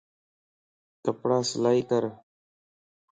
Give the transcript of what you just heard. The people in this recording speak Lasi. ڪپڙا سلائي ڪر